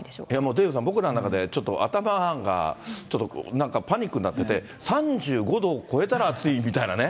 デーブさん、僕らの中でちょっと頭が、ちょっとなんかパニックになってて、３５度を超えたら暑いみたいなね。